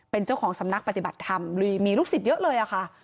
เป็นเจ้าของสำนักปฏิบัติธรรมมีลูกศิษย์เยอะเลยอะค่ะ